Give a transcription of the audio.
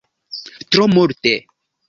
Tro multe!